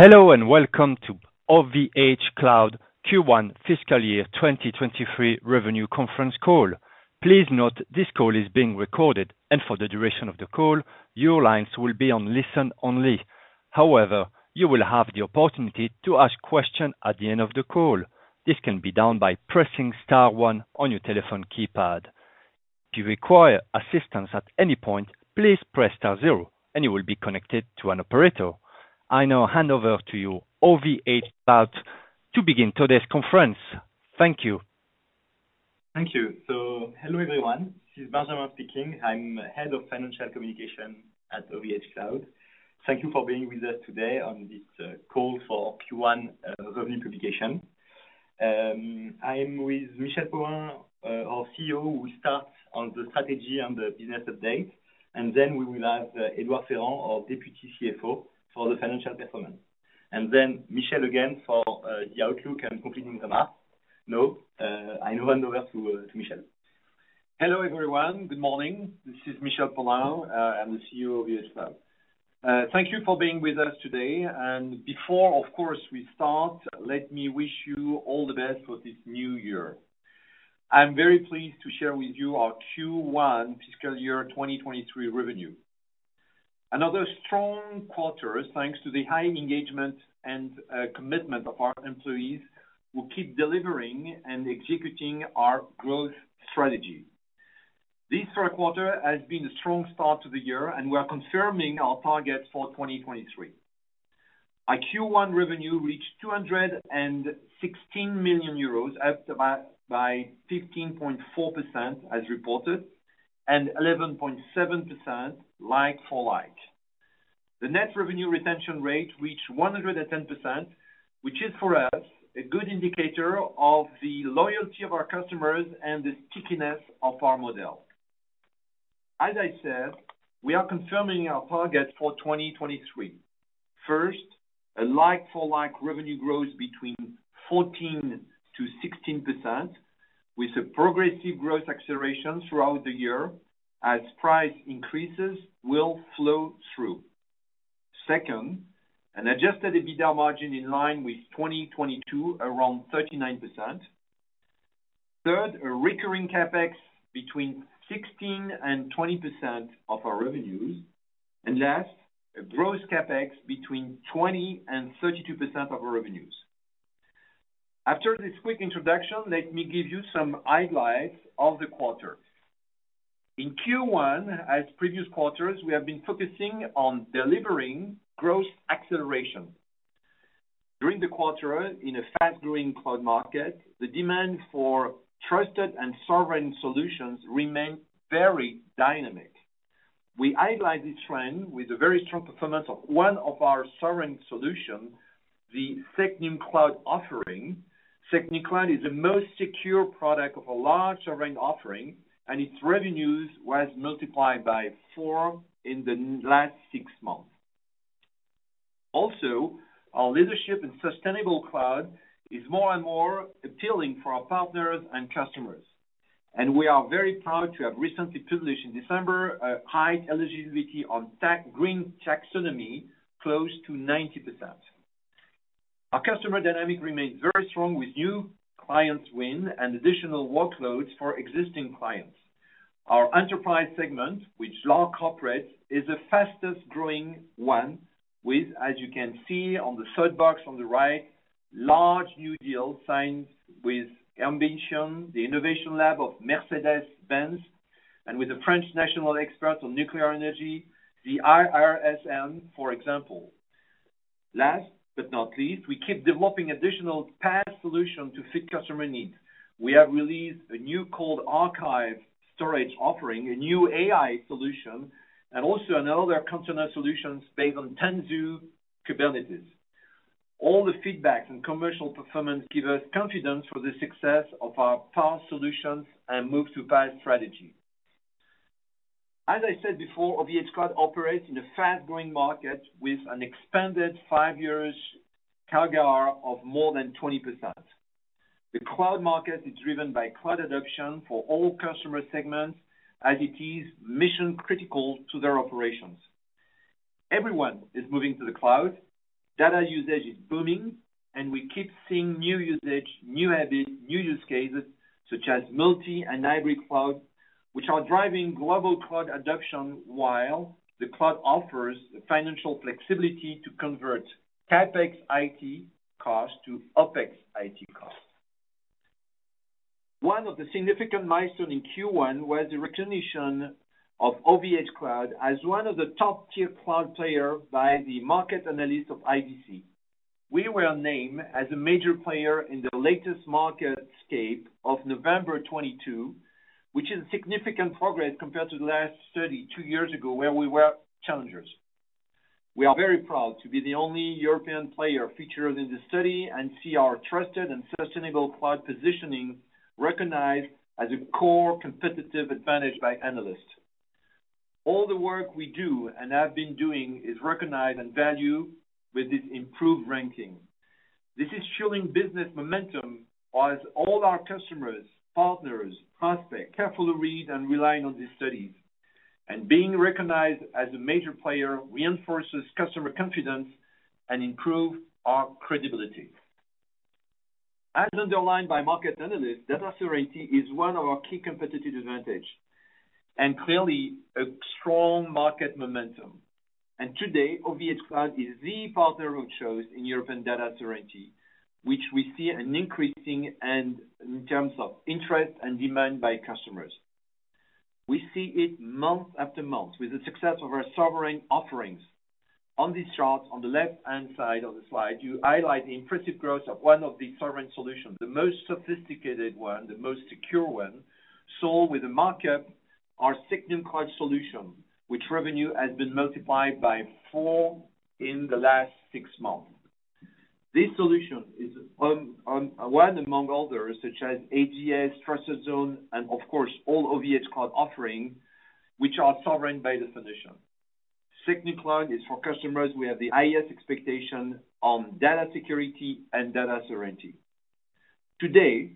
Hello, and welcome to OVHcloud Q1 fiscal year 2023 revenue conference call. Please note this call is being recorded, and for the duration of the call, your lines will be on listen only. However, you will have the opportunity to ask questions at the end of the call. This can be done by pressing star one on your telephone keypad. If you require assistance at any point, please press star zero, and you will be connected to an operator. I now hand over to you, OVHcloud, to begin today's conference. Thank you. Thank you. Hello, everyone. This is Benjamin speaking. I'm Head of Financial Communication at OVHcloud. Thank you for being with us today on this call for Q1 revenue publication. I'm with Michel Paulin, our CEO, who starts on the strategy and the business update. Then we will have Edouard Ferrand, our Deputy CFO, for the financial performance. Then Michel again for the outlook and completing the math. I now hand over to Michel. Hello, everyone. Good morning. This is Michel Paulin. I'm the CEO of OVHcloud. Thank you for being with us today. Before, of course, we start, let me wish you all the best for this new year. I'm very pleased to share with you our Q1 fiscal year 2023 revenue. Another strong quarter, thanks to the high engagement and commitment of our employees who keep delivering and executing our growth strategy. This first quarter has been a strong start to the year. We are confirming our targets for 2023. Our Q1 revenue reached 216 million euros, up by 15.4% as reported, and 11.7% like for like. The Net Revenue Retention Rate reached 110%, which is for us a good indicator of the loyalty of our customers and the stickiness of our model. As I said, we are confirming our target for 2023. First, a like for like revenue growth between 14%-16%, with a progressive growth acceleration throughout the year as price increases will flow through. Second, an adjusted EBITDA margin in line with 2022, around 39%. Third, a recurring CapEx between 16%-20% of our revenues. And last, a gross CapEx between 20%-32% of our revenues. After this quick introduction, let me give you some highlights of the quarter. In Q1, as previous quarters, we have been focusing on delivering growth acceleration. During the quarter, in a fast-growing cloud market, the demand for trusted and sovereign solutions remained very dynamic. We highlight this trend with a very strong performance of one of our sovereign solutions, the SecNumCloud offering. SecNumCloud is the most secure product of a large sovereign offering, its revenues was multiplied by four in the last six months. Our leadership in sustainable cloud is more and more appealing for our partners and customers, and we are very proud to have recently published in December a high eligibility on green taxonomy, close to 90%. Our customer dynamic remains very strong with new clients win and additional workloads for existing clients. Our enterprise segment, which large corporates, is the fastest-growing one with, as you can see on the 3rd box on the right, large new deals signed with MBition, the innovation lab of Mercedes-Benz, and with the French national expert on nuclear energy, the IRSN, for example. Last but not least, we keep developing additional PaaS solutions to fit customer needs. We have released a new Cold Archive storage offering, a new AI solution, and also another container solutions based on Tanzu Kubernetes. All the feedback and commercial performance give us confidence for the success of our PaaS solutions and move to PaaS strategy. As I said before, OVHcloud operates in a fast-growing market with an expanded five years CAGR of more than 20%. The cloud market is driven by cloud adoption for all customer segments as it is mission-critical to their operations. Everyone is moving to the cloud. Data usage is booming, and we keep seeing new usage, new habits, new use cases such as multi and hybrid cloud, which are driving global cloud adoption while the cloud offers financial flexibility to convert CapEx IT costs to OpEx IT costs. One of the significant milestone in Q1 was the recognition of OVHcloud as one of the top-tier cloud player by the market analyst of IDC. We were named as a major player in the latest IDC MarketScape of November 2022, which is significant progress compared to the last study two years ago where we were challengers. We are very proud to be the only European player featured in this study and see our trusted and sustainable cloud positioning recognized as a core competitive advantage by analysts. All the work we do and have been doing is recognized and valued with this improved ranking. This is showing business momentum as all our customers, partners, prospects carefully read and relying on these studies. Being recognized as a major player reinforces customer confidence and improve our credibility. As underlined by market analysts, data sovereignty is one of our key competitive advantage, and clearly a strong market momentum. Today, OVHcloud is the partner of choice in European data sovereignty, which we see an increasing and in terms of interest and demand by customers. We see it month after month with the success of our sovereign offerings. On this chart, on the left-hand side of the slide, you highlight the impressive growth of one of the sovereign solutions, the most sophisticated one, the most secure one, sold with the market, our Signe Cloud solution, which revenue has been multiplied by four in the last six months. This solution is one among others, such as AGS, Trusted Zone, and of course, all OVHcloud offering, which are sovereign by definition. Signe Cloud is for customers who have the highest expectation on data security and data sovereignty. Today,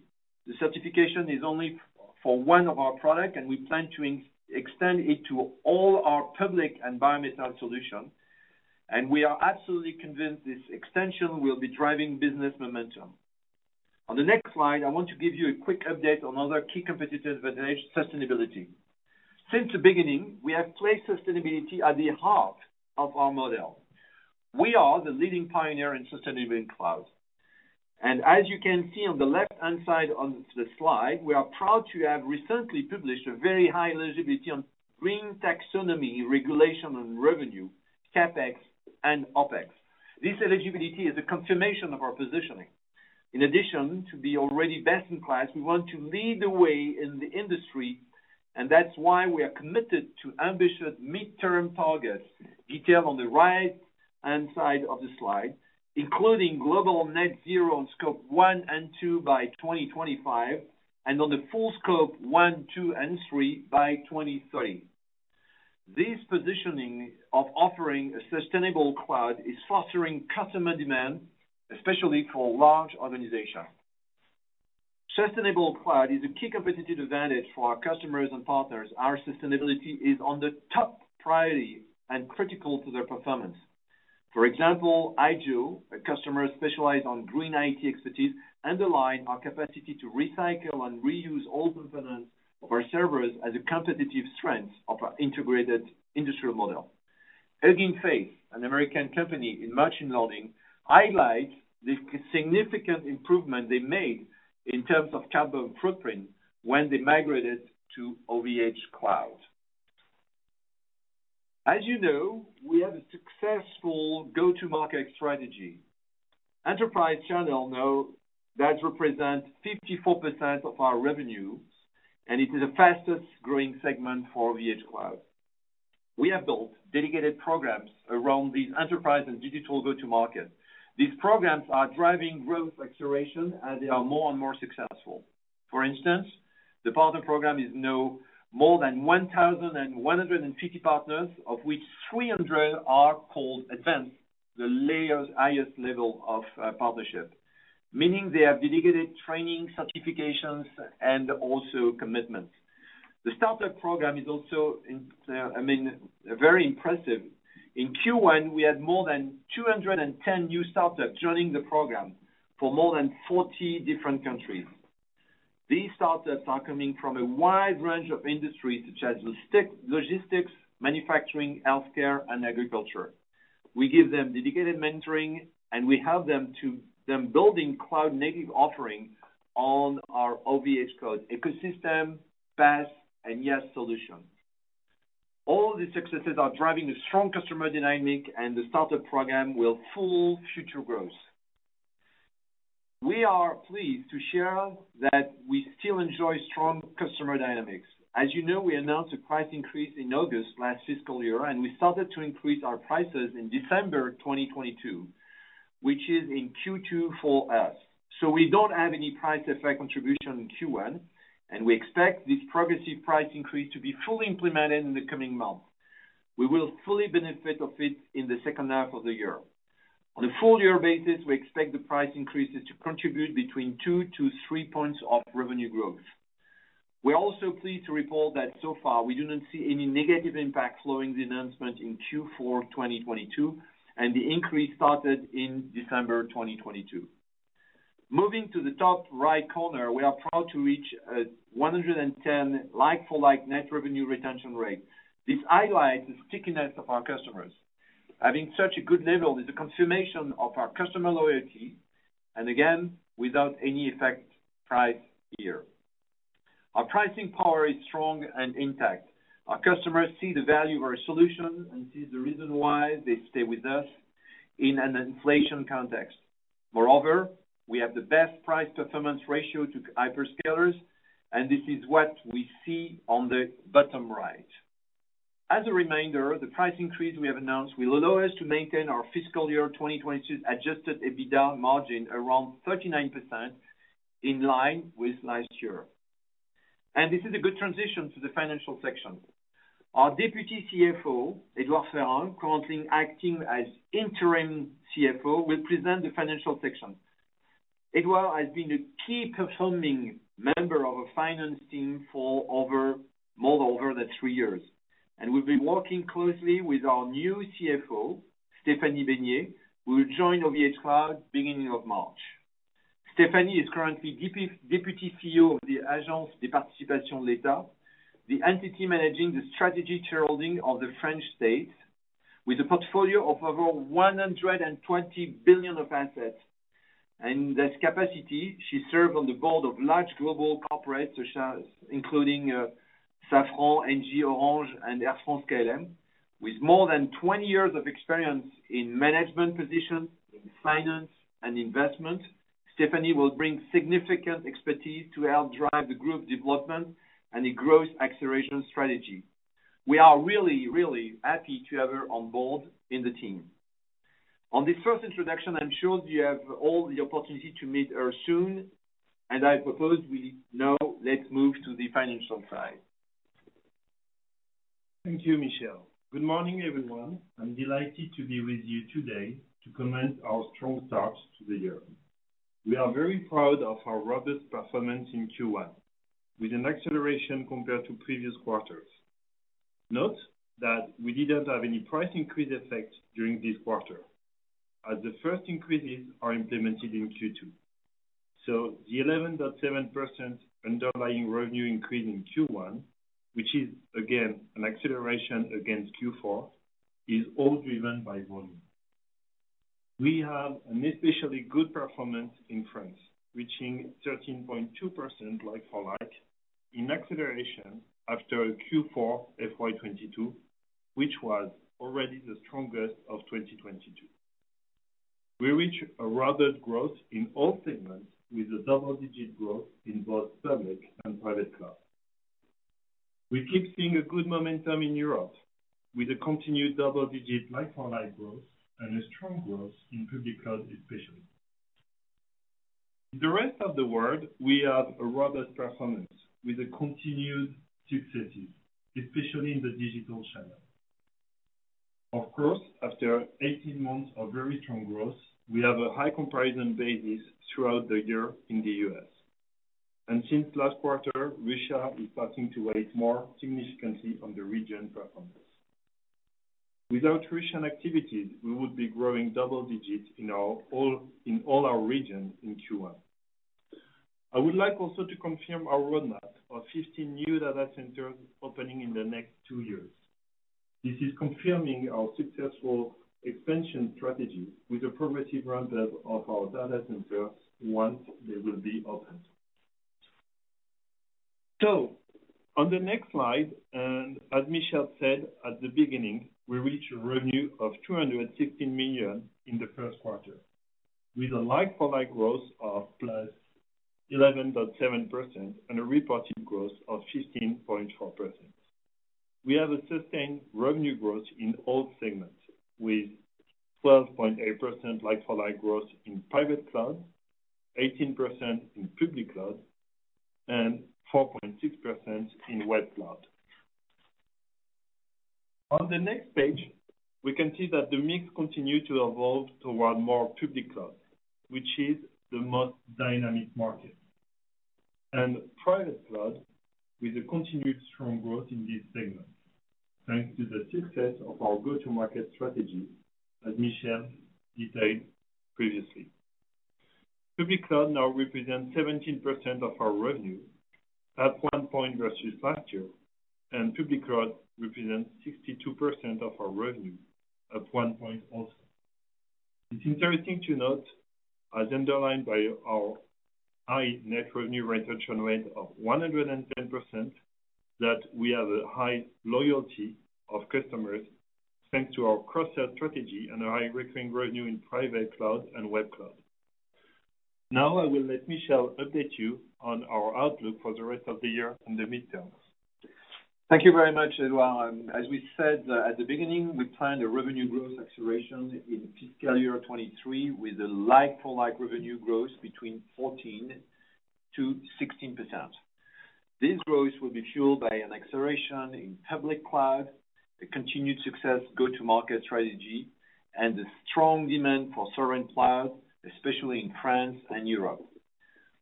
the certification is only for one of our product, we plan to extend it to all our public and environmental solution, and we are absolutely convinced this extension will be driving business momentum. On the next slide, I want to give you a quick update on another key competitive advantage, sustainability. Since the beginning, we have placed sustainability at the heart of our model. We are the leading pioneer in sustainable cloud. As you can see on the left-hand side on the slide, we are proud to have recently published a very high eligibility on green taxonomy regulation and revenue, CapEx and OpEx. This eligibility is a confirmation of our positioning. In addition to be already best in class, we want to lead the way in the industry. That's why we are committed to ambitious midterm targets, detailed on the right-hand side of the slide, including global net zero on Scope 1 and Scope 2 by 2025, and on the full Scope 1, Scope 2, and Scope3 by 2030. This positioning of offering a sustainable cloud is fostering customer demand, especially for large organization. Sustainable cloud is a key competitive advantage for our customers and partners. Our sustainability is on the top priority and critical to their performance. For example, IGEL, a customer specialized on green IT expertise, underlined our capacity to recycle and reuse all components of our servers as a competitive strength of our integrated industrial model. Hugging Face, an American company in machine learning, highlight the significant improvement they made in terms of carbon footprint when they migrated to OVHcloud. As you know, we have a successful go-to-market strategy. Enterprise channel now does represent 54% of our revenue, and it is the fastest-growing segment for OVHcloud. We have built dedicated programs around these enterprise and digital go-to-market. These programs are driving growth acceleration, and they are more and more successful. For instance, the partner program is now more than 1,150 partners, of which 300 are called advanced, the layers highest level of partnership. Meaning they have dedicated training certifications and also commitments. The startup program is also, I mean, very impressive. In Q1, we had more than 210 new startups joining the program for more than 40 different countries. These startups are coming from a wide range of industries such as logistics, manufacturing, healthcare, and agriculture. We give them dedicated mentoring, and we help them building OVHcloud ecosystem, PaaS and IaaS solution. All these successes are driving a strong customer dynamic, and the startup program will fuel future growth. We are pleased to share that we still enjoy strong customer dynamics. As you know, we announced a price increase in August last fiscal year, and we started to increase our prices in December 2022, which is in Q2 for us. We don't have any price effect contribution in Q1, and we expect this progressive price increase to be fully implemented in the coming months. We will fully benefit of it in the second half of the year. On a full-year basis, we expect the price increases to contribute between two to three points of revenue growth. We are also pleased to report that so far, we do not see any negative impact following the announcement in Q4 2022. The increase started in December 2022. Moving to the top right corner, we are proud to reach 110% like-for-like Net Revenue Retention Rate. This highlights the stickiness of our customers. Having such a good level is a confirmation of our customer loyalty, and again, without any effect price here. Our pricing power is strong and intact. Our customers see the value of our solution and see the reason why they stay with us in an inflation context. Moreover, we have the best price-performance ratio to hyperscalers. This is what we see on the bottom right. As a reminder, the price increase we have announced will allow us to maintain our fiscal year 2022 adjusted EBITDA margin around 39% in line with last year. This is a good transition to the financial section. Our Deputy CFO, Edouard Ferrand, currently acting as interim CFO, will present the financial section. Edouard has been a key performing member of our finance team for more than over the three years, and will be working closely with our new CFO, Stéphanie Besnier, who will join OVHcloud beginning of March. Stéphanie is currently deputy CEO of the Agence des participations de l'État, the entity managing the strategy shareholding of the French state with a portfolio of over 120 billion of assets. In this capacity, she served on the board of large global corporates such as including Safran, Engie, Orange, and Air France-KLM. With more than 20 years of experience in management positions, in finance and investment, Stéphanie will bring significant expertise to help drive the group's development and the growth acceleration strategy. We are really happy to have her on board in the team. On this first introduction, I'm sure you have all the opportunity to meet her soon, I propose let's move to the financial side. Thank you, Michel. Good morning, everyone. I'm delighted to be with you today to comment our strong start to the year. We are very proud of our robust performance in Q1, with an acceleration compared to previous quarters. Note that we didn't have any price increase effect during this quarter, as the first increases are implemented in Q2. The 11.7% underlying revenue increase in Q1, which is again an acceleration against Q4, is all driven by volume. We have an especially good performance in France, reaching 13.2% like-for-like in acceleration after Q4 FY2022, which was already the strongest of 2022. We reach a robust growth in all segments with a double-digit growth in both public and private cloud. We keep seeing a good momentum in Europe with a continued double-digit like-for-like growth and a strong growth in public cloud especially. In the rest of the world, we have a robust performance with a continued successes, especially in the digital channel. Of course, after 18 months of very strong growth, we have a high comparison basis throughout the year in the U.S. Since last quarter, Russia is starting to weigh more significantly on the region performance. Without Russian activities, we would be growing double digits in all our regions in Q1. I would like also to confirm our roadmap of 15 new data centers opening in the next two years. This is confirming our successful expansion strategy with a progressive ramp-up of our data centers once they will be opened. On the next slide, and as Michel said at the beginning, we reached a revenue of 216 million in the first quarter, with a like-for-like growth of +11.7% and a reported growth of 15.4%. We have a sustained revenue growth in all segments with 12.8% like-for-like growth in private cloud, 18% in public cloud, and 4.6% in web cloud. On the next page, we can see that the mix continued to evolve toward more public cloud, which is the most dynamic market, and private cloud with a continued strong growth in this segment, thanks to the success of our go-to-market strategy, as Michel detailed previously. Public cloud now represents 17% of our revenue at one point versus last year, and public cloud represents 62% of our revenue at one point also. It's interesting to note, as underlined by our high Net Revenue Retention Rate of 110%, that we have a high loyalty of customers thanks to our cross-sell strategy and a high recurring revenue in private cloud and web cloud. Now I will let Michel update you on our outlook for the rest of the year and the midterm. Thank you very much, Edouard. As we said at the beginning, we planned a revenue growth acceleration in fiscal year 2023 with a like-for-like revenue growth between 14%-16%. This growth will be fueled by an acceleration in public cloud, a continued success go-to-market strategy, and a strong demand for sovereign cloud, especially in France and Europe.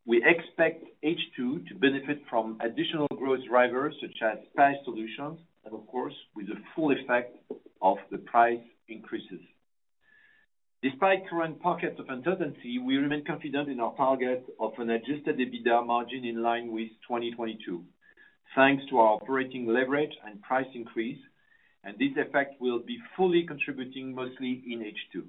We expect H2 to benefit from additional growth drivers such as PaaS solutions, and of course, with the full effect of the price increases. Despite current pockets of uncertainty, we remain confident in our target of an adjusted EBITDA margin in line with 2022, thanks to our operating leverage and price increase, and this effect will be fully contributing mostly in H2.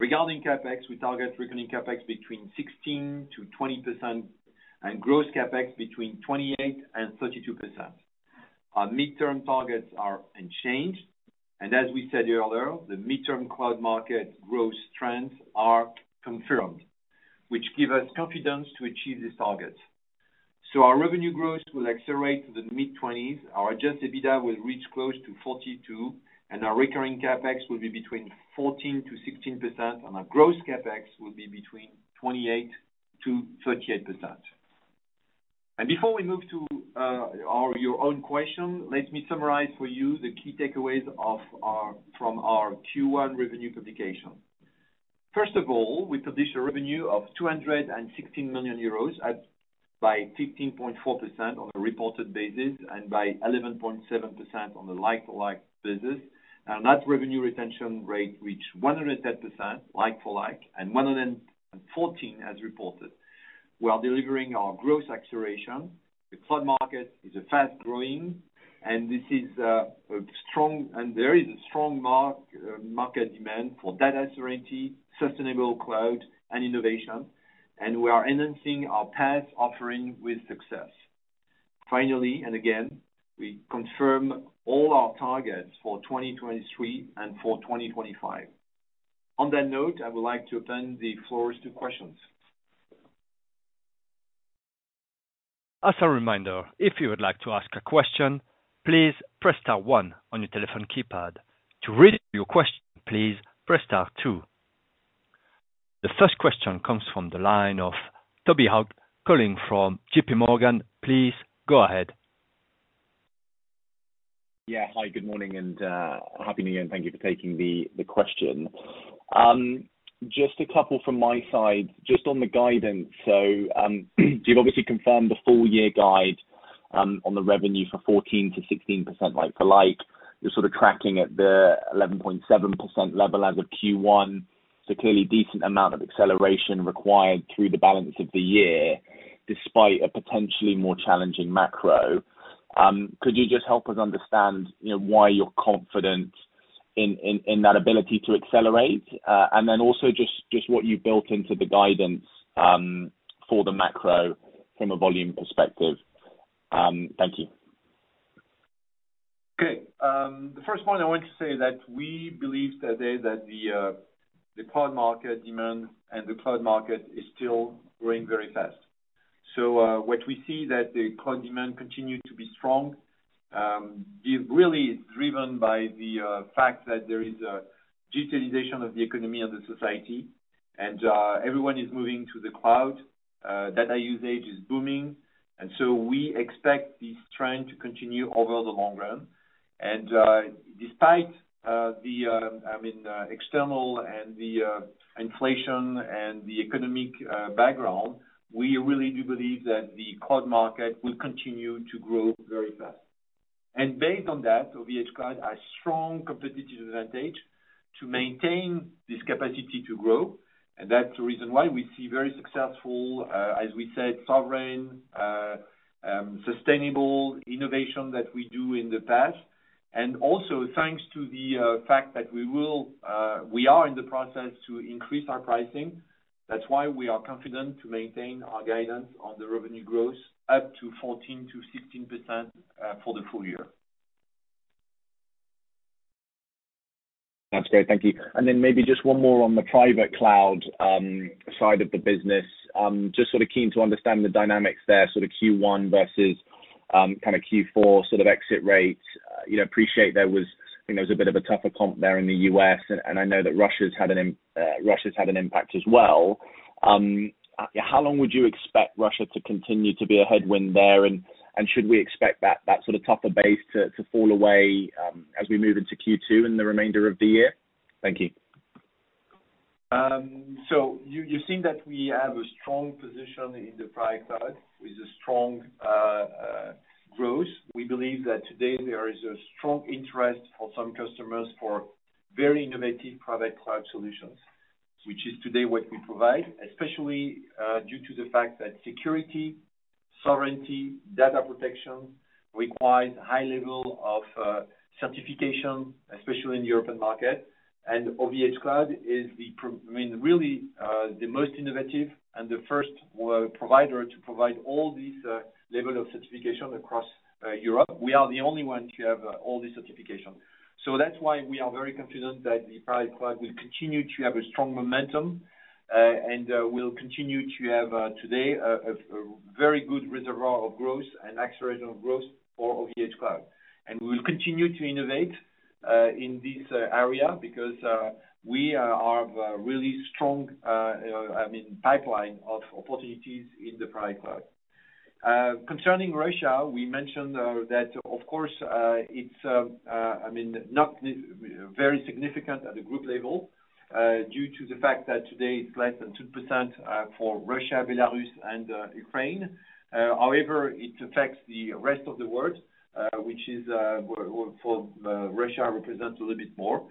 Regarding CapEx, we target recurring CapEx between 16%-20% and gross CapEx between 28% and 32%. Our midterm targets are unchanged. As we said earlier, the midterm cloud market growth trends are confirmed, which give us confidence to achieve this target. Our revenue growth will accelerate to the mid-twenties. Our adjusted EBITDA will reach close to 42%, and our recurring CapEx will be between 14%-16%, and our gross CapEx will be between 28%-38%. Before we move to your own question, let me summarize for you the key takeaways from our Q1 revenue publication. First of all, we produced a revenue of 216 million euros by 15.4% on a reported basis, and by 11.7% on a like-to-like basis. That revenue retention rate reached 110% like for like, and 114% as reported. We are delivering our growth acceleration. The cloud market is fast growing, and this is a strong market demand for data sovereignty, sustainable cloud and innovation, and we are enhancing our PaaS offering with success. Finally, and again, we confirm all our targets for 2023 and for 2025. On that note, I would like to open the floors to questions. As a reminder, if you would like to ask a question, please press star one on your telephone keypad. To withdraw your question, please press star two. The first question comes from the line of Toby Ogg, calling from JPMorgan. Please go ahead. Yeah. Hi, good morning, and happy New Year, and thank you for taking the question. Just a couple from my side, just on the guidance. You've obviously confirmed the full year guide on the revenue for 14%-16% like to like. You're sort of tracking at the 11.7% level as of Q1, so clearly decent amount of acceleration required through the balance of the year despite a potentially more challenging macro. Could you just help us understand, you know, why you're confident in that ability to accelerate? Also just what you built into the guidance for the macro from a volume perspective. Thank you. Okay. The first point I want to say that we believe today that the cloud market demand and the cloud market is still growing very fast. What we see that the cloud demand continue to be strong is really driven by the fact that there is a digitalization of the economy and the society, and everyone is moving to the cloud. Data usage is booming, we expect this trend to continue over the long run. Despite the, I mean, external and the inflation and the economic background, we really do believe that the cloud market will continue to grow very fast. Based on that, OVHcloud has strong competitive advantage to maintain this capacity to grow. That's the reason why we see very successful, as we said, sovereign, sustainable innovation that we do in the past. Also thanks to the fact that we will, we are in the process to increase our pricing. That's why we are confident to maintain our guidance on the revenue growth up to 14%-16%, for the full year. That's great. Thank you. Then maybe just one more on the private cloud side of the business. Just sort of keen to understand the dynamics there, sort of Q1 versus kind of Q4 sort of exit rates. You know, appreciate there was, I think there was a bit of a tougher comp there in the US, and I know that Russia's had an impact as well. How long would you expect Russia to continue to be a headwind there? Should we expect that sort of tougher base to fall away as we move into Q2 and the remainder of the year? Thank you. You think that we have a strong position in the private cloud with a strong growth. We believe that today there is a strong interest for some customers for very innovative private cloud solutions, which is today what we provide, especially due to the fact that security, sovereignty, data protection requires high level of certification, especially in the European market. OVHcloud is I mean, really, the most innovative and the first provider to provide all these level of certification across Europe. We are the only ones who have all these certifications. That's why we are very confident that the private cloud will continue to have a strong momentum and will continue to have today a very good reservoir of growth and acceleration of growth for OVHcloud. We will continue to innovate in this area because we are a really strong, I mean, pipeline of opportunities in the private cloud. Concerning Russia, we mentioned that of course, it's, I mean, not very significant at the group level due to the fact that today it's less than 2% for Russia, Belarus and Ukraine. However, it affects the rest of the world, which is well, for Russia represents a little bit more.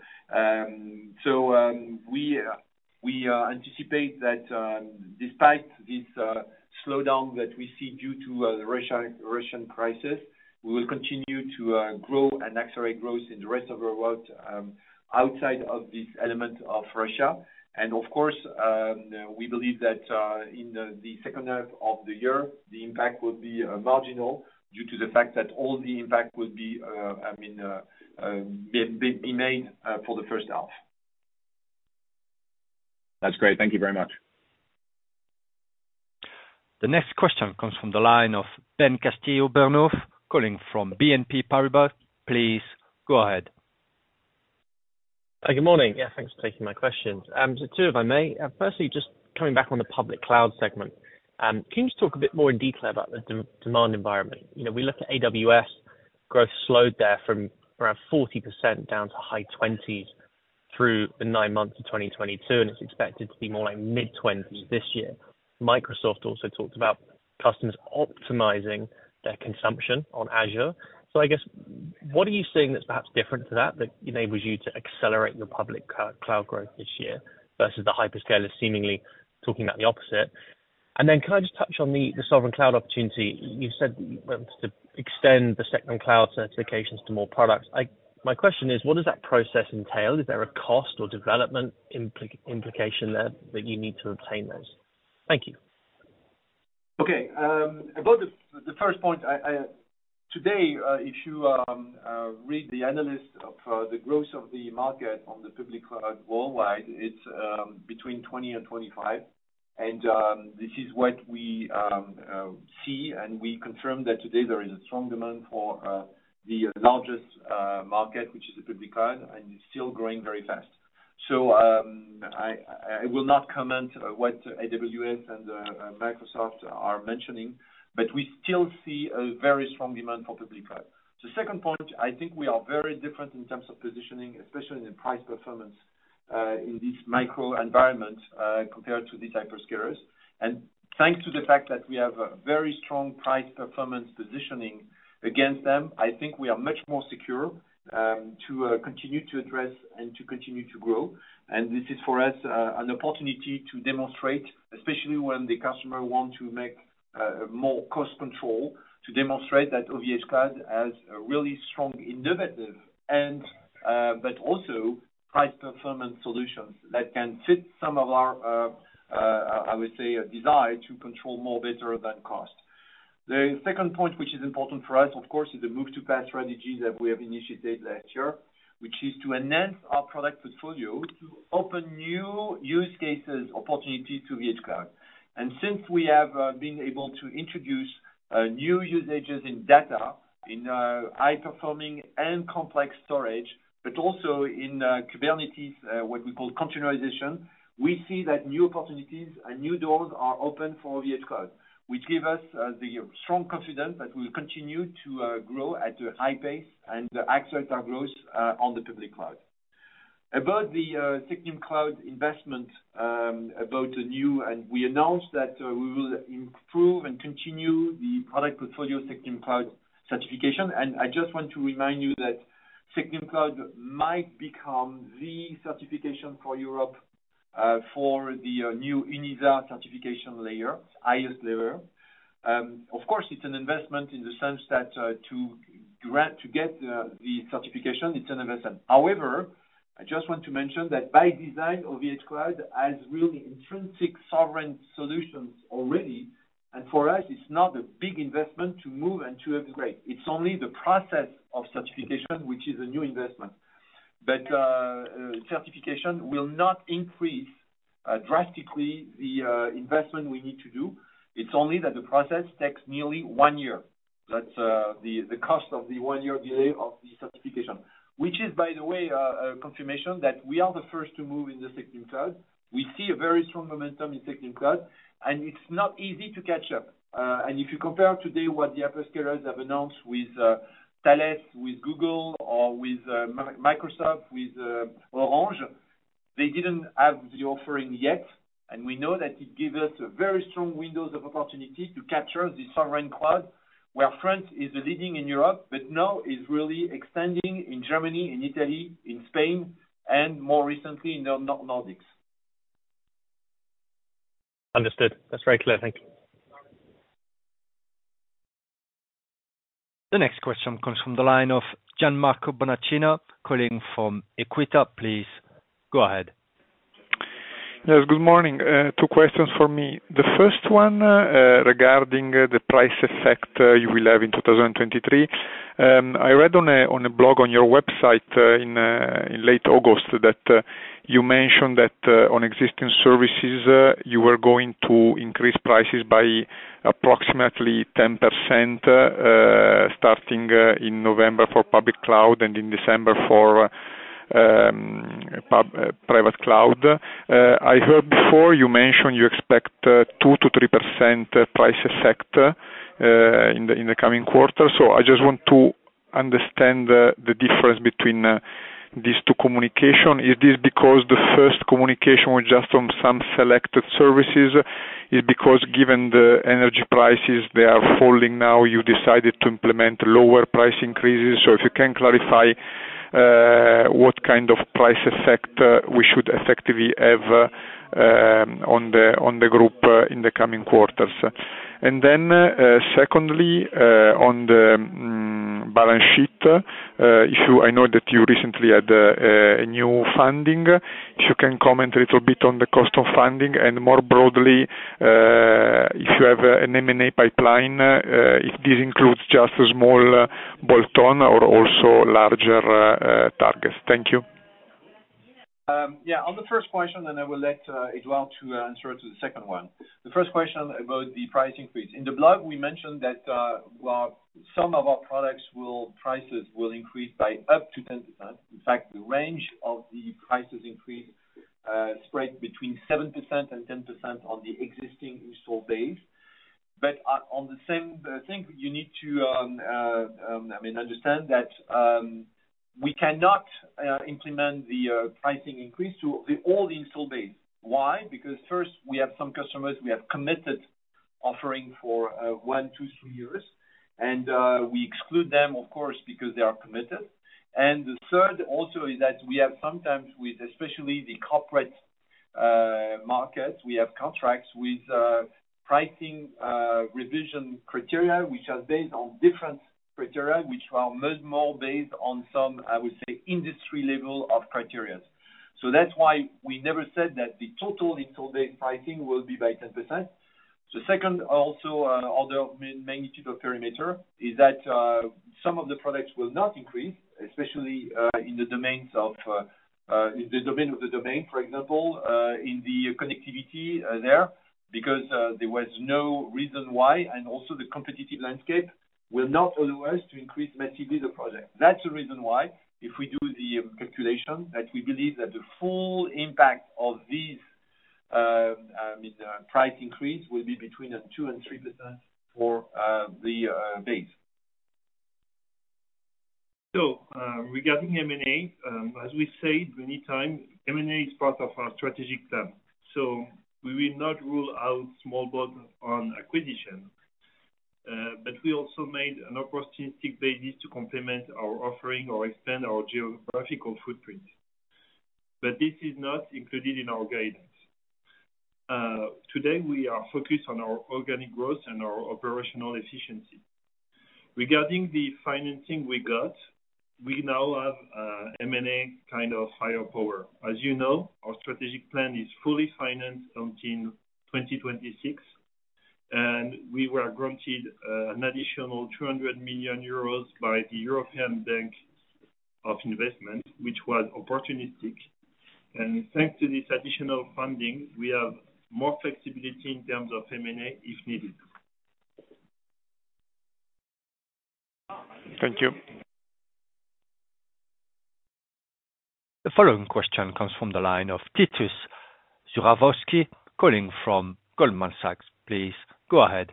We anticipate that despite this slowdown that we see due to the Russia, Russian crisis, we will continue to grow and accelerate growth in the rest of the world outside of this element of Russia. Of course, we believe that in the second half of the year, the impact will be marginal due to the fact that all the impact will be, I mean, be made for the first half. That's great. Thank you very much. The next question comes from the line of Ben Castillo-Bernaus calling from BNP Paribas. Please go ahead. Good morning. Yeah, thanks for taking my questions. Two, if I may. Firstly, just coming back on the public cloud segment. Can you just talk a bit more in detail about the de-demand environment? You know, we look at AWS growth slowed there from around 40% down to high 20s through the nine months of 2022, and it's expected to be more like mid-20s this year. Microsoft also talked about customers optimizing their consumption on Azure. I guess, what are you seeing that's perhaps different to that enables you to accelerate your public cloud growth this year versus the hyperscaler seemingly talking about the opposite? Then can I just touch on the sovereign cloud opportunity? You said once to extend the SecNumCloud certifications to more products. My question is, what does that process entail? Is there a cost or development implication there that you need to obtain those? Thank you. Okay. About the first point, Today, if you read the analyst of the growth of the market on the public cloud worldwide, it's between 20 and 25. This is what we see, and we confirm that today there is a strong demand for the largest market, which is the public cloud, and it's still growing very fast. I will not comment what AWS and Microsoft are mentioning, but we still see a very strong demand for public cloud. The second point, I think we are very different in terms of positioning, especially in the price performance, in this micro environment, compared to the hyperscalers. Thanks to the fact that we have a very strong price performance positioning against them, I think we are much more secure, to continue to address and to continue to grow. This is for us, an opportunity to demonstrate, especially when the customer want to make more cost control, to demonstrate that OVHcloud has a really strong innovative and but also price performance solutions that can fit some of our, I would say, a desire to control more better than cost. The second point which is important for us, of course, is the move to PaaS strategy that we have initiated last year, which is to enhance our product portfolio to open new use cases opportunity to OVHcloud. Since we have been able to introduce new usages in data, in high performing and complex storage, but also in Kubernetes, what we call containerization, we see that new opportunities and new doors are open for OVHcloud, which give us the strong confidence that we'll continue to grow at a high pace and accelerate our growth on the public cloud. About the SecNumCloud investment, about the new, we announced that we will improve and continue the product portfolio SecNumCloud certification. I just want to remind you that SecNumCloud might become the certification for Europe, for the new ENISA certification layer, highest layer. Of course, it's an investment in the sense that to get the certification, it's an investment. I just want to mention that by design, OVHcloud has really intrinsic sovereign solutions already. For us, it's not a big investment to move and to upgrade. It's only the process of certification, which is a new investment. Certification will not increase drastically the investment we need to do. It's only that the process takes nearly one year. That's the cost of the one year delay of the certification. Which is, by the way, a confirmation that we are the first to move in the SecNumCloud. We see a very strong momentum in SecNumCloud, and it's not easy to catch up. If you compare today what the hyperscalers have announced with Thales, with Google or with Microsoft, with Orange, they didn't have the offering yet. We know that it give us a very strong windows of opportunity to capture the sovereign cloud, where France is leading in Europe, but now is really expanding in Germany, in Italy, in Spain, and more recently in the Nordics. Understood. That's very clear. Thank you. The next question comes from the line of Gianmarco Bonacina calling from Equita. Please go ahead. Yes, good morning. Two questions for me. The first one, regarding the price effect you will have in 2023. I read on a blog on your website in late August that you mentioned that on existing services, you were going to increase prices by approximately 10%, starting in November for public cloud and in December for private cloud. I heard before you mentioned you expect 2%-3% price effect in the coming quarter. I just want to understand the difference between these two communication. It is because the first communication was just from some selected services? Is because given the energy prices, they are falling now, you decided to implement lower price increases? If you can clarify what kind of price effect we should effectively have on the group in the coming quarters. Secondly, on the balance sheet issue, I know that you recently had a new funding. If you can comment a little bit on the cost of funding and more broadly, if you have an M&A pipeline, if this includes just a small bolt-on or also larger targets. Thank you. On the first question, I will let Edouard answer to the second one. The first question about the price increase. In the blog, we mentioned that prices will increase by up to 10%. In fact, the range of the prices increase spread between 7% and 10% on the existing installed base. On the same thing, you need to understand that we cannot implement the pricing increase to the all the installed base. Why? Because first, we have some customers we have committed offering for one to two years, we exclude them, of course, because they are committed. The third also is that we have sometimes with, especially the corporate markets, we have contracts with pricing revision criteria, which are based on different criteria, which are much more based on some, I would say, industry level of criteria. That's why we never said that the total installed base pricing will be by 10%. The second also, other magnitude of perimeter, is that some of the products will not increase, especially in the domains of in the domain, for example, in the connectivity there, because there was no reason why, and also the competitive landscape will not allow us to increase massively the product. That's the reason why if we do the calculation, that we believe that the full impact of these, I mean, the price increase will be between 2% and 3% for the base. regarding M&A, as we said many times, M&A is part of our strategic plan. we will not rule out small on acquisition, but we also made an opportunistic basis to complement our offering or expand our geographical footprint. This is not included in our guidance. Today, we are focused on our organic growth and our operational efficiency. Regarding the financing we got, we now have M&A kind of higher power. As you know, our strategic plan is fully financed until 2026, and we were granted an additional 200 million euros by the European Investment Bank, which was opportunistic. Thanks to this additional funding, we have more flexibility in terms of M&A if needed. Thank you. The following question comes from the line of Titus Zhuravsky, calling from Goldman Sachs. Please go ahead.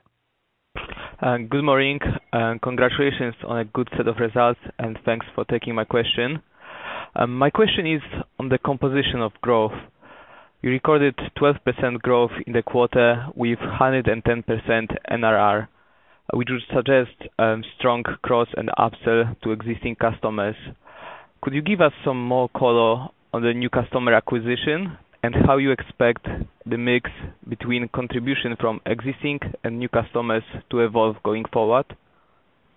Good morning, congratulations on a good set of results, thanks for taking my question. My question is on the composition of growth. You recorded 12% growth in the quarter with 110% NRR, which would suggest strong cross and upsell to existing customers. Could you give us some more color on the new customer acquisition and how you expect the mix between contribution from existing and new customers to evolve going forward?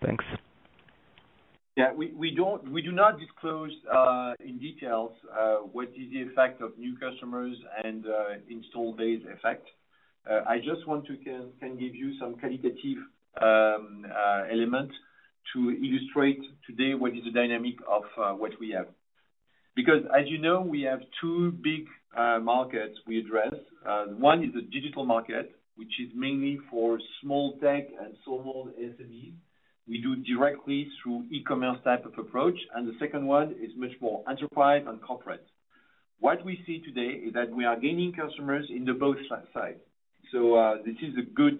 Thanks. We do not disclose in details what is the effect of new customers and installed base effect. I just want to can give you some qualitative element to illustrate today what is the dynamic of what we have. As you know, we have two big markets we address. One is a digital market, which is mainly for small tech and small SME. We do directly through e-commerce type of approach, and the second one is much more enterprise and corporate. What we see today is that we are gaining customers in the both side. This is a good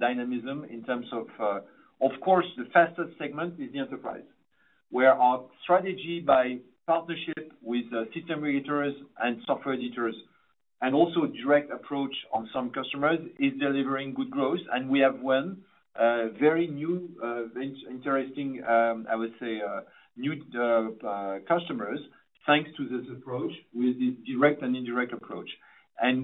dynamism in terms of. Of course, the fastest segment is the enterprise, where our strategy by partnership with system integrators and software editors, also direct approach on some customers, is delivering good growth. We have won very new interesting new customers, thanks to this approach with the direct and indirect approach.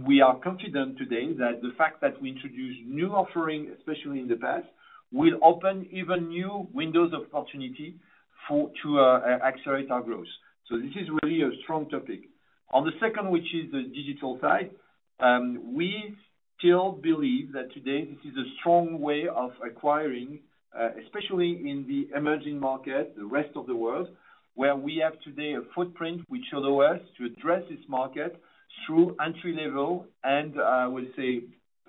We are confident today that the fact that we introduce new offering, especially in PaaS, will open even new windows of opportunity to accelerate our growth. This is really a strong topic. On the second, which is the digital side, we still believe that today this is a strong way of acquiring, especially in the emerging market, the rest of the world, where we have today a footprint which allow us to address this market through entry level and, we say,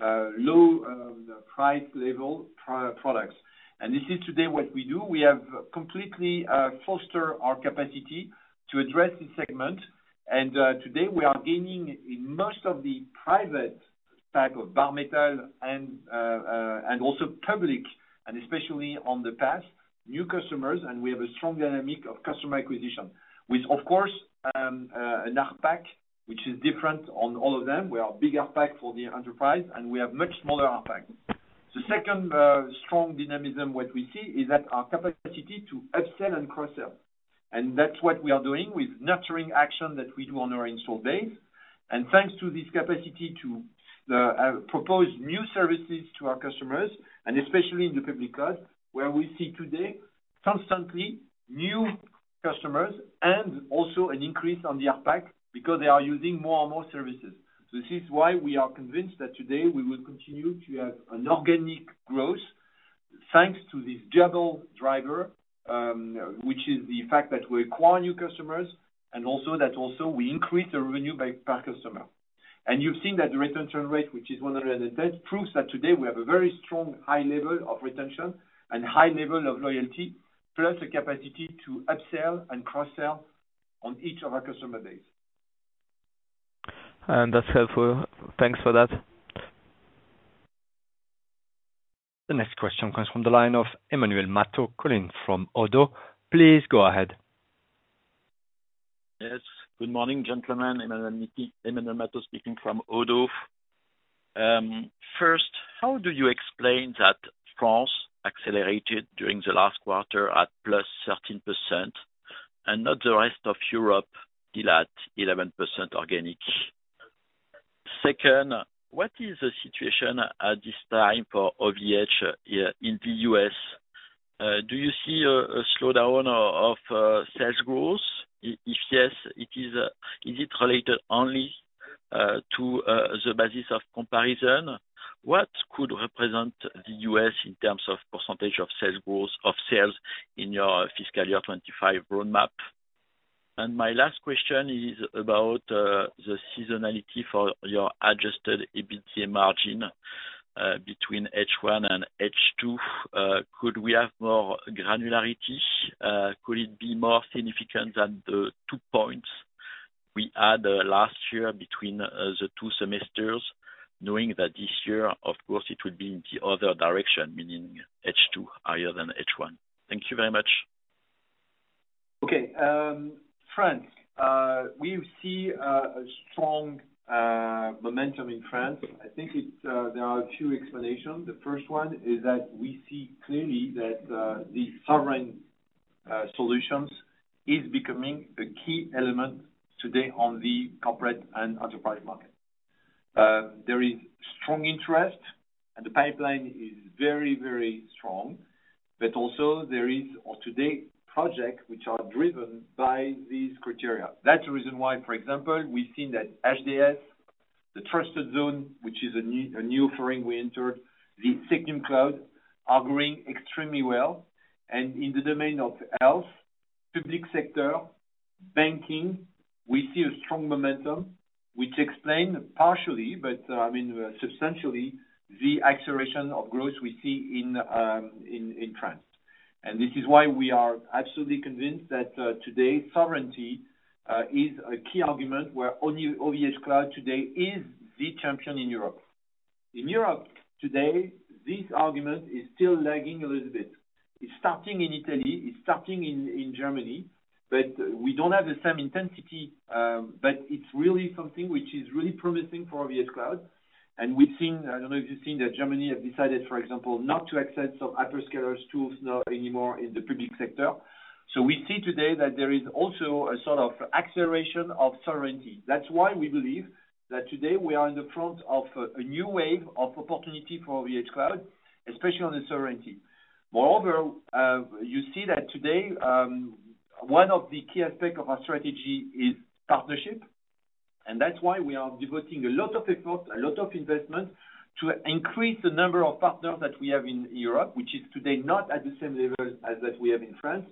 low price level products. This is today what we do. We have completely foster our capacity to address this segment. Today we are gaining in most of the private type of Bare Metal and also public, and especially on the PaaS, new customers, and we have a strong dynamic of customer acquisition. With, of course, an ARPAC, which is different on all of them. We have big ARPAC for the enterprise, and we have much smaller ARPAC. The second strong dynamism what we see is that our capacity to upsell and cross-sell, and that's what we are doing with nurturing action that we do on our installed base. Thanks to this capacity to propose new services to our customers, and especially in the public cloud, where we see today constantly new customers and also an increase on the ARPAC because they are using more and more services. This is why we are convinced that today we will continue to have an organic growth. Thanks to this double driver, which is the fact that we acquire new customers and also that we increase the revenue by per customer. You've seen that the retention rate, which is 100%, proves that today we have a very strong high level of retention and high level of loyalty, plus the capacity to upsell and cross-sell on each of our customer base. That's helpful. Thanks for that. The next question comes from the line of Emmanuel Mato calling from ODDO. Please go ahead. Yes. Good morning, gentlemen. Emmanuel Mata speaking from ODDO. First, how do you explain that France accelerated during the last quarter at plus 13% and not the rest of Europe still at 11% organic. Second, what is the situation at this time for OVH in the U.S.? Do you see a slowdown of sales growth? If yes, is it related only to the basis of comparison? What could represent the U.S. in terms of percentage of sales in your fiscal year 2025 roadmap? My last question is about the seasonality for your adjusted EBITDA margin between H1 and H2. Could we have more granularity? Could it be more significant than the two points we had last year between the two semesters, knowing that this year, of course, it would be in the other direction, meaning H2 higher than H1? Thank you very much. Okay. France. We see a strong momentum in France. I think it's, there are two explanations. The first one is that we see clearly that the sovereign solutions is becoming a key element today on the corporate and enterprise market. There is strong interest, and the pipeline is very, very strong. Also there is on today projects which are driven by these criteria. That's the reason why, for example, we've seen that HDS, the Trusted Zone, which is a new offering we entered, the SecNumCloud, are growing extremely well. In the domain of health, public sector, banking, we see a strong momentum, which explain partially, but I mean, substantially, the acceleration of growth we see in France. This is why we are absolutely convinced that, today, sovereignty, is a key argument where OVHcloud today is the champion in Europe. In Europe today, this argument is still lagging a little bit. It's starting in Italy, it's starting in Germany, but we don't have the same intensity, but it's really something which is really promising for OVHcloud. We've seen, I don't know if you've seen that Germany have decided, for example, not to accept some hyperscalers tools now anymore in the public sector. We see today that there is also a sort of acceleration of sovereignty. That's why we believe that today we are in the front of a new wave of opportunity for OVHcloud, especially on the sovereignty. You see that today, one of the key aspect of our strategy is partnership, and that's why we are devoting a lot of effort, a lot of investment to increase the number of partners that we have in Europe, which is today not at the same level as that we have in France.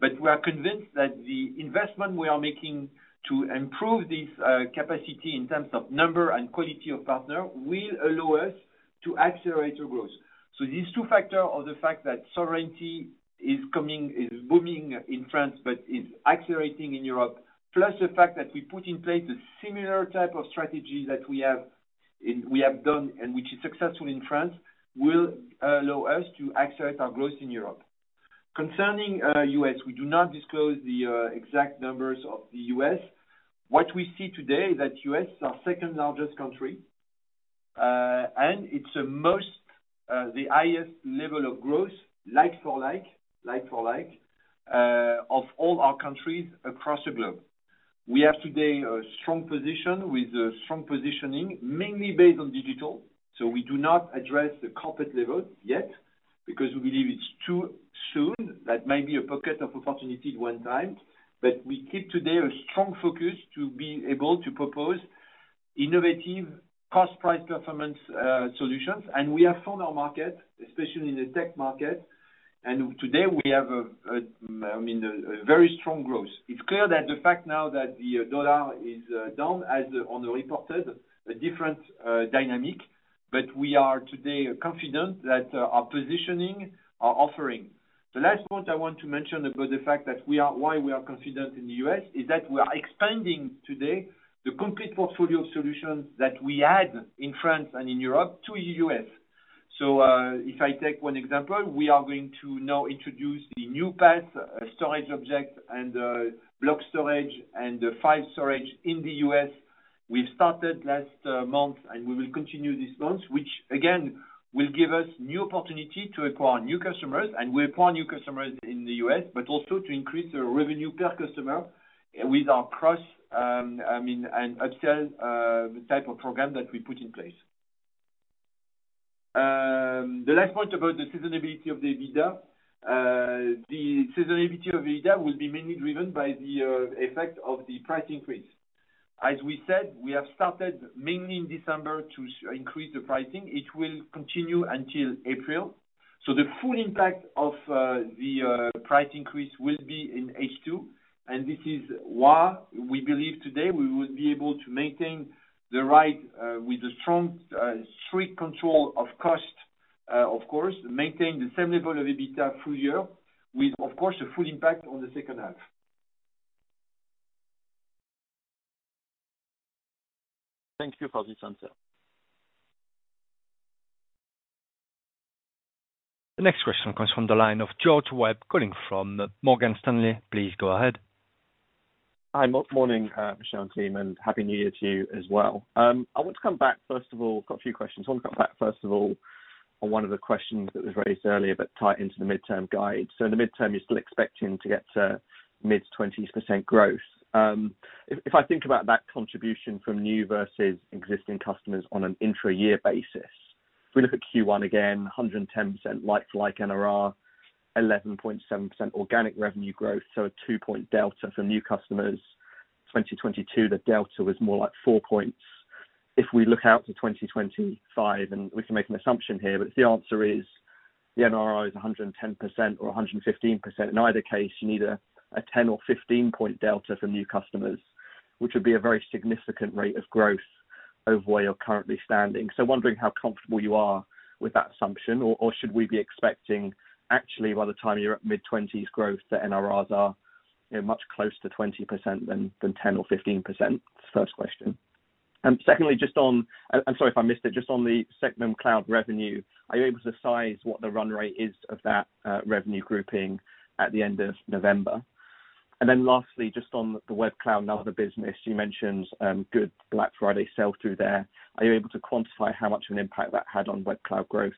We are convinced that the investment we are making to improve this capacity in terms of number and quality of partner will allow us to accelerate our growth. These two factor are the fact that sovereignty is coming, is booming in France, but is accelerating in Europe. The fact that we put in place a similar type of strategy that we have done and which is successful in France, will allow us to accelerate our growth in Europe. Concerning, U.S., we do not disclose the exact numbers of the U.S. What we see today is that U.S. is our second-largest country, and it's the most, the highest level of growth, like for like, of all our countries across the globe. We have today a strong position with a strong positioning, mainly based on digital. We do not address the corporate level yet because we believe it's too soon. That might be a pocket of opportunity one time. We keep today a strong focus to be able to propose innovative cost price performance solutions. We have found our market, especially in the tech market. Today we have a, I mean, a very strong growth. It's clear that the fact now that the U.S. dollar is down as on the reported a different dynamic, we are today confident that our positioning are offering. The last point I want to mention about the fact that why we are confident in the U.S. is that we are expanding today the complete portfolio of solutions that we had in France and in Europe to the U.S. If I take one example, we are going to now introduce the new PaaS, storage object and block storage and the file storage in the U.S. We started last month, we will continue this month, which again, will give us new opportunity to acquire new customers, we acquire new customers in the U.S., also to increase the revenue per customer with our cross, I mean, and upsell type of program that we put in place. The last point about the seasonality of the EBITDA, the seasonality of EBITDA will be mainly driven by the effect of the price increase. As we said, we have started mainly in December to increase the pricing. It will continue until April. The full impact of the price increase will be in H2, and this is why we believe today we will be able to maintain the right with the strong, strict control of cost, of course, maintain the same level of EBITDA through year with, of course, a full impact on the second half. Thank you for this answer. The next question comes from the line of George Webb calling from Morgan Stanley. Please go ahead. Hi, morning, Michelle and team, and happy New Year to you as well. I want to come back, first of all, got a few questions. I want to come back, first of all, on one of the questions that was raised earlier, but tie into the midterm guide. In the midterm, you're still expecting to get to mid-20s% growth. If I think about that contribution from new versus existing customers on an intra-year basis, if we look at Q1 again, 110% like to like NRR, 11.7% organic revenue growth, so a two-point delta for new customers. 2022, the delta was more like four points. If we look out to 2025, and we can make an assumption here, but the answer is the NRR is 110% or 115%. In either case, you need a 10 point or 15 point delta for new customers, which would be a very significant rate of growth over where you're currently standing. Wondering how comfortable you are with that assumption or should we be expecting actually by the time you're at mid-20s growth, the NRRs are, you know, much closer to 20% than 10% or 15%? First question. Secondly, just on, and sorry if I missed it, just on the segment cloud revenue, are you able to size what the run rate is of that revenue grouping at the end of November? Lastly, just on the web cloud and other business, you mentioned good Black Friday sell through there. Are you able to quantify how much of an impact that had on web cloud growth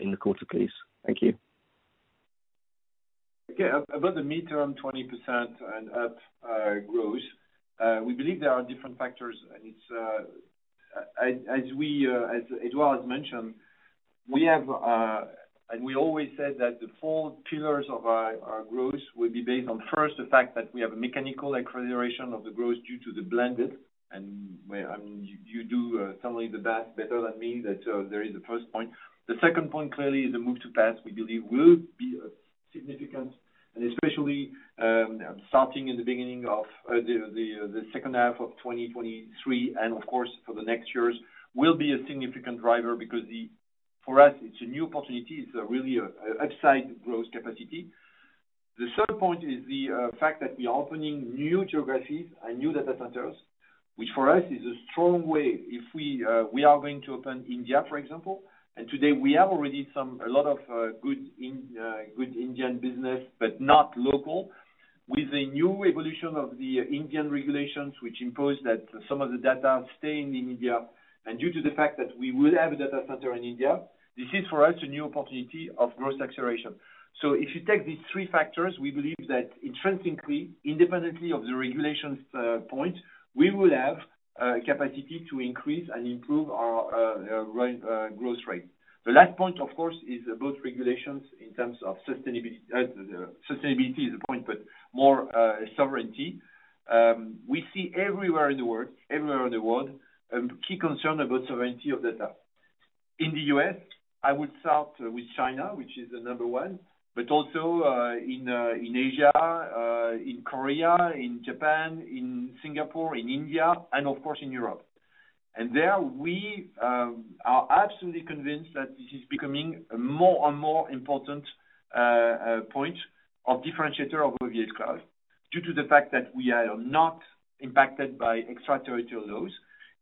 in the quarter, please? Thank you. Yeah. About the midterm 20% and up growth, we believe there are different factors, and it's, as we, as Edouard mentioned, we have, and we always said that the four pillars of our growth will be based on first, the fact that we have a mechanical acceleration of the growth due to the blended. Well, I mean, you do, summary the math better than me, that, there is the first point. The second point clearly is the move to PaaS, we believe will be significant, and especially, starting in the beginning of the second half of 2023, and of course for the next years will be a significant driver because for us it's a new opportunity. It's really a, upside growth capacity. The third point is the fact that we are opening new geographies and new data centers, which for us is a strong way if we are going to open India, for example. Today we have already some, a lot of good Indian business, but not local. With the new evolution of the Indian regulations, which impose that some of the data stay in India, and due to the fact that we will have a data center in India, this is for us a new opportunity of growth acceleration. If you take these three factors, we believe that intrinsically, independently of the regulations, point, we will have capacity to increase and improve our growth rate. The last point of course is about regulations in terms of sustainability is a point, but more sovereignty. We see everywhere in the world, everywhere in the world, key concern about sovereignty of data. In the U.S., I would start with China, which is the number one, but also in Asia, in Korea, in Japan, in Singapore, in India, and of course in Europe. There we are absolutely convinced that this is becoming a more and more important point of differentiator of OVHcloud due to the fact that we are not impacted by extraterritorial laws.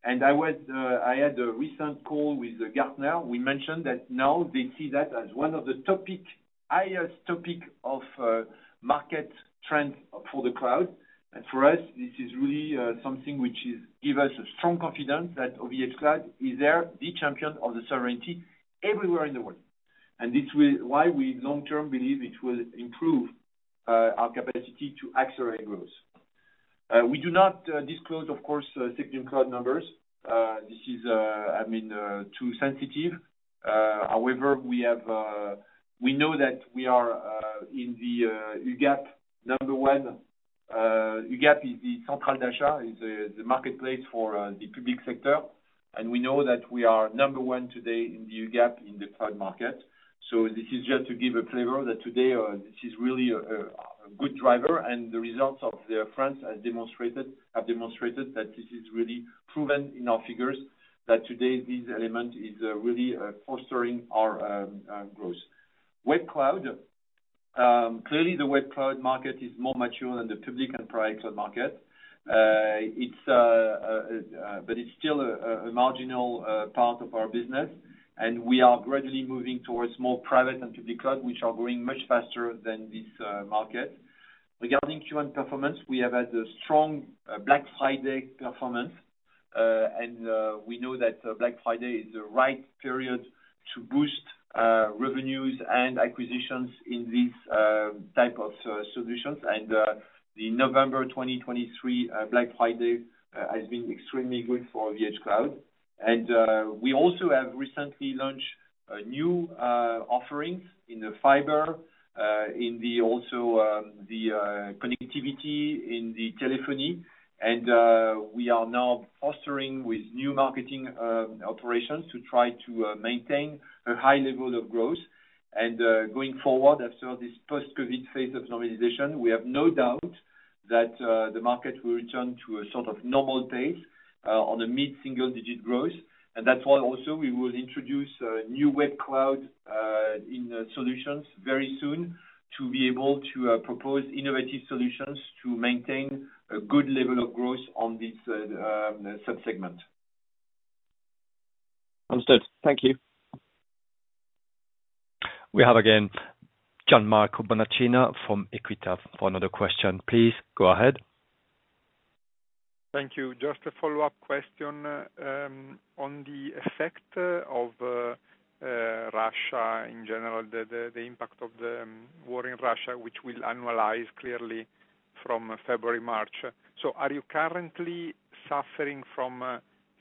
I had a recent call with Gartner. We mentioned that now they see that as one of the topic, highest topic of market trend for the cloud. For us, this is really something which is give us a strong confidence that OVHcloud is there, the champion of the sovereignty everywhere in the world. Why we long term believe it will improve our capacity to accelerate growth. We do not disclose of course segment cloud numbers. This is, I mean, too sensitive. However, we have, we know that we are in the UGAP number one. UGAP is the Centrale d'Achat, is the marketplace for the public sector. We know that we are number one today in the UGAP in the cloud market. This is just to give a flavor that today, this is really a good driver and the results of the France have demonstrated that this is really proven in our figures, that today this element is really fostering our growth. Web cloud. Clearly the web cloud market is more mature than the public and private cloud market. But it's still a marginal part of our business, and we are gradually moving towards more private and public cloud, which are growing much faster than this market. Regarding Q1 performance, we have had a strong Black Friday performance, and we know that Black Friday is the right period to boost revenues and acquisitions in these type of solutions. The November 2023 Black Friday has been extremely good for OVHcloud. We also have recently launched a new offerings in the fiber in the also the connectivity in the telephony. We are now fostering with new marketing operations to try to maintain a high level of growth. Going forward, after this post-COVID phase of normalization, we have no doubt that the market will return to a sort of normal pace on a mid-single digit growth. That's why also we will introduce a new web cloud in the solutions very soon to be able to propose innovative solutions to maintain a good level of growth on this subsegment. Understood. Thank you. We have again, Gianmarco Bonacina from Equita for another question. Please go ahead. Thank you. Just a follow-up question on the effect of Russia in general, the impact of the war in Russia, which will annualize clearly from February, March. Are you currently suffering from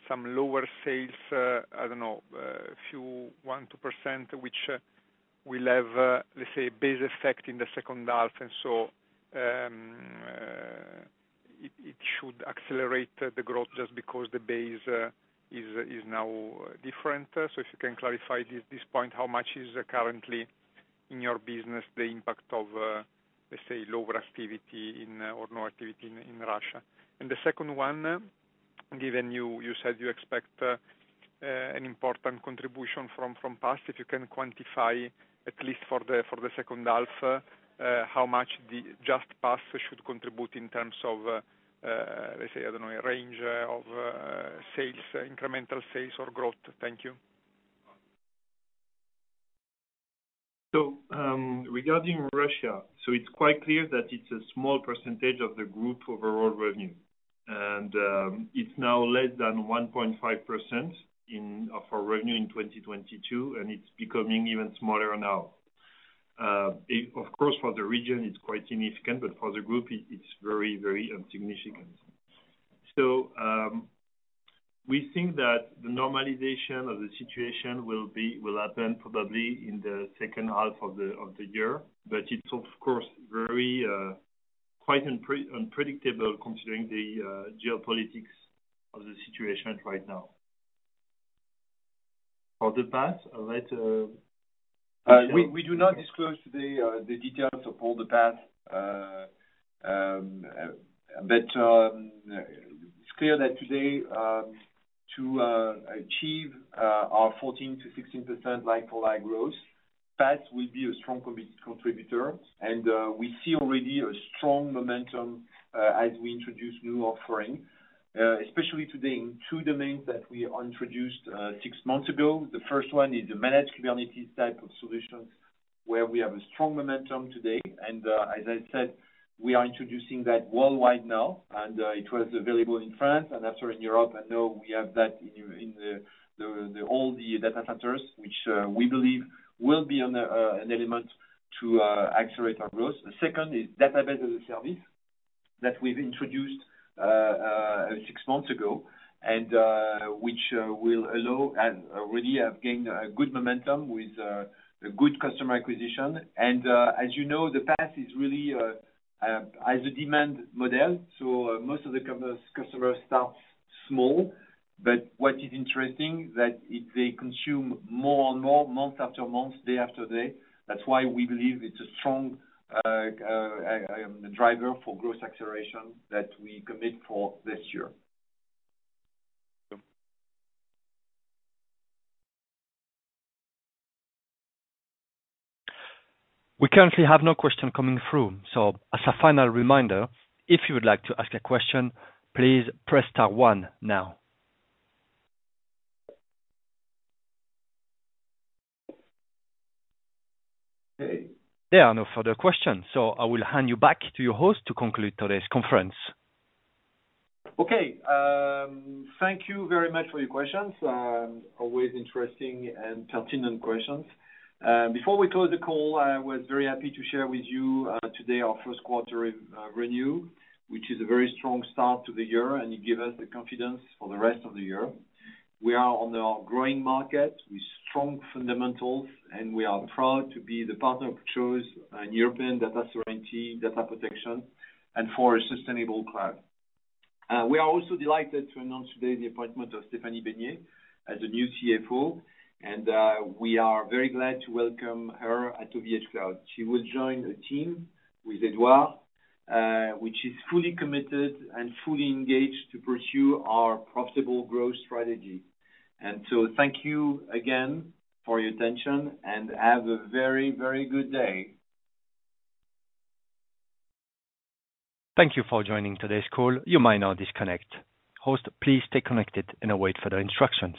some lower sales, I don't know, a few 1%, 2%, which will have, let's say, a base effect in the second half? It should accelerate the growth just because the base is now different. If you can clarify this point, how much is currently in your business the impact of, let's say, lower activity in or no activity in Russia? The second one, given you said you expect an important contribution from PaaS, if you can quantify, at least for the second half, how much the just PaaS should contribute in terms of, let's say, I don't know, a range of sales, incremental sales or growth. Thank you. Regarding Russia, it's quite clear that it's a small percentage of the group overall revenue. It's now less than 1.5% of our revenue in 2022, and it's becoming even smaller now. Of course, for the region, it's quite significant, but for the group it's very unsignificant. We think that the normalization of the situation will happen probably in the second half of the year. It's of course, very unpredictable considering the geopolitics of the situation right now. For the PaaS, I'll let. We do not disclose today the details of all the PaaS. But it's clear that today to achieve our 14%-16% like-for-like growth, PaaS will be a strong contributor. We see already a strong momentum as we introduce new offering, especially today in two domains that we introduced six months ago. The first one is the managed communities type of solutions, where we have a strong momentum today. As I said, we are introducing that worldwide now, it was available in France and after in Europe, and now we have that in all the data centers, which we believe will be an element to accelerate our growth. The second is database as a service that we've introduced six months ago, which will allow and already have gained a good momentum with a good customer acquisition. As you know, the PaaS is really as a demand model, so most of the customers start small. What is interesting that if they consume more and more, month after month, day after day, that's why we believe it's a strong driver for growth acceleration that we commit for this year. Thank you. We currently have no question coming through. As a final reminder, if you would like to ask a question, please press star one now. Okay. There are no further questions, so I will hand you back to your host to conclude today's conference. Okay. Thank you very much for your questions. Always interesting and pertinent questions. Before we close the call, I was very happy to share with you today our first quarter review, which is a very strong start to the year, it give us the confidence for the rest of the year. We are on a growing market with strong fundamentals, we are proud to be the partner of choice in European data sovereignty, data protection, and for a sustainable cloud. We are also delighted to announce today the appointment of Stéphanie Besnier as the new CFO, we are very glad to welcome her at OVHcloud. She will join the team with Edouard, which is fully committed and fully engaged to pursue our profitable growth strategy. Thank you again for your attention, and have a very, very good day. Thank you for joining today's call. You may now disconnect. Host, please stay connected and await further instructions.